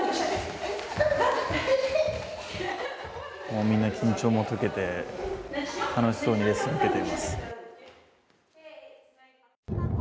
もうみんな緊張も解けて、楽しそうにレッスンを受けています。